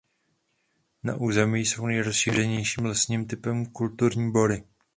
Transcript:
Na území jsou nejrozšířenějším lesním typem kulturní bory.